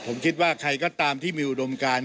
ผมคิดว่าใครก็ตามที่มีอุดมการ